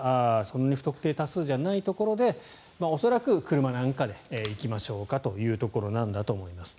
不特定多数じゃないところで恐らく、車なんかで行きましょうというところなんだと思います。